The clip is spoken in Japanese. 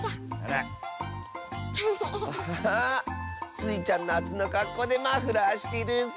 スイちゃんなつのかっこうでマフラーしてるッス。